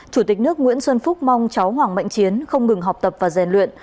chủ tịch nước nguyễn xuân phúc mong cháu hoàng mạnh chiến không ngừng học tập và rèn luyện